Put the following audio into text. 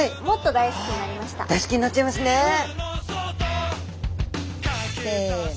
大好きになっちゃいますね。